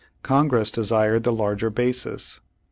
Congress desired the larger basis.